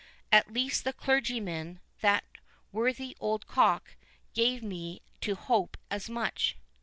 At least the clergyman, that worthy old cock, gave me to hope as much."